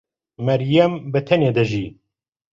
مریەم بەتەنێ دەژی.